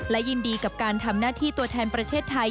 และยินดีกับการทำหน้าที่ตัวแทนประเทศไทย